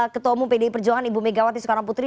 ketua umum pdi perjuangan ibu megawati soekarno putri